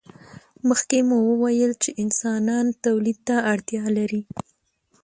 مخکې مو وویل چې انسانان تولید ته اړتیا لري.